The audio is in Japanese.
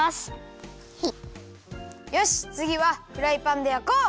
よしつぎはフライパンでやこう！